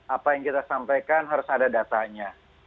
apa yang kita sampaikan harus ada datanya